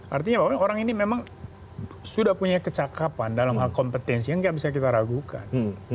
artinya orang ini memang sudah punya kecakapan dalam hal kompetensi yang gak bisa kita ragukan